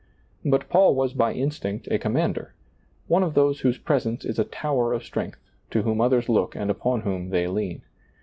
But Paul was by instinct a commander ; one of those whose presence is a tower of strength, to whom others look and upon whom they lean.